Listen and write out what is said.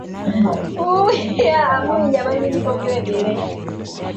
fedha na ukubwa wa eneo lake la utawala wengine huzidi kumi nao chini yao